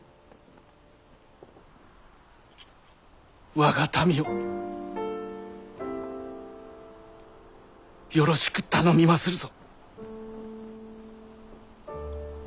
我が民をよろしく頼みまするぞ。